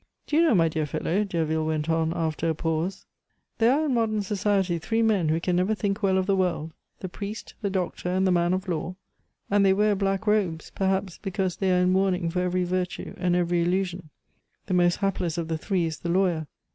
Do you know, my dear fellow," Derville went on after a pause, "there are in modern society three men who can never think well of the world the priest, the doctor, and the man of law? And they wear black robes, perhaps because they are in mourning for every virtue and every illusion. The most hapless of the three is the lawyer.